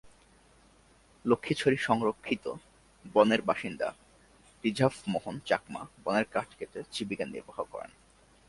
লক্ষ্মীছড়ি সংরক্ষিত বনের বাসিন্দা রিজাভ মোহন চাকমা বনের কাঠ কেটে জীবিকা নির্বাহ করেন।